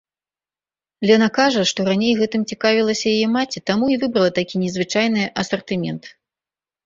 Лена кажа, што раней гэтым цікавілася яе маці, таму і выбрала такі незвычайны асартымент.